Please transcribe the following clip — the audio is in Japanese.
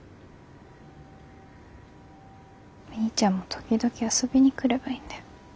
みーちゃんも時々遊びに来ればいいんだよ。